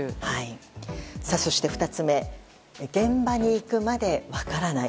そして２つ目現場に行くまで分からない。